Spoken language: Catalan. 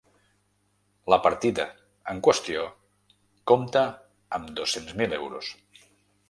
La partida, en qüestió, compta amb dos-cents mil euros.